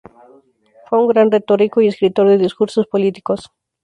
Fue un gran retórico y escritor de discursos políticos.